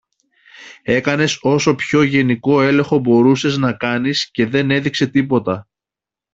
έκανες όσο πιο γενικό έλεγχο μπορούσες να κάνεις και δεν έδειξε τίποτα